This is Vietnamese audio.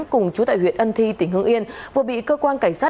cùng chú tại huyện ân thi tỉnh hương yên vừa bị cơ quan cảnh sát